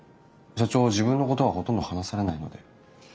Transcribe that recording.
社長自分のことはほとんど話されないので。